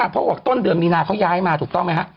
เพราะบอกต้นเดือนมีนาเขาย้ายมาถูกต้องไหมฮะ